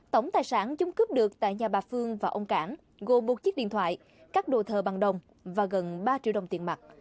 tổng tài sản chúng cướp được tại nhà bà phương và ông cảng gồm một chiếc điện thoại các đồ thờ bằng đồng và gần ba triệu đồng tiền mặt